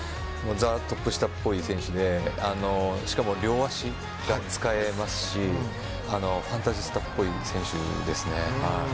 ＴＨＥトップ下っぽい選手でしかも、両足が使えますしファンタジスタっぽい選手です。